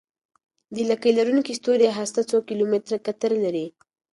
د لکۍ لرونکي ستوري هسته څو کیلومتره قطر لري.